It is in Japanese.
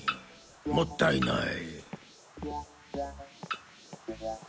もったいない。